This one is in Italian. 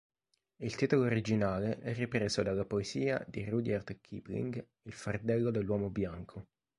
Il titolo originale è ripreso dalla poesia di Rudyard Kipling "Il fardello dell'uomo bianco".